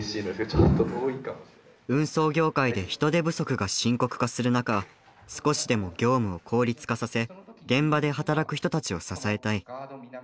運送業界で人手不足が深刻化する中少しでも業務を効率化させ現場で働く人たちを支えたい。